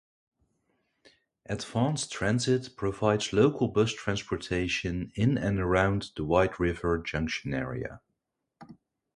Advance Transit provides local bus transportation in and around the White River Junction area.